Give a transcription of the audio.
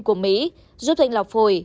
của mỹ giúp thanh lọc phổi